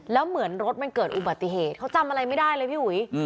แล้วเหมือนรถมันเกิดอุบัติเหตุเขาจำอะไรไม่ได้เลยพี่อุ๋ย